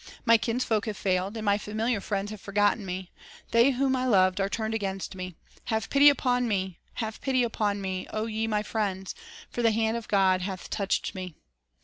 ... My kinsfolk have failed, And my familiar friends have forgotten me. ... They whom I loved are turned against me. ... Have pity upon me, have pity upon me, O ye my friends; For the hand of God hath touched me!